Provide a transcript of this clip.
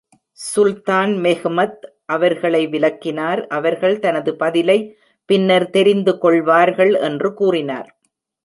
சுல்தான் Mehmed அவர்களை விலக்கினார், அவர்கள் தனது பதிலை பின்னர் தெரிந்து கொள்வார்கள் என்று கூறினார்.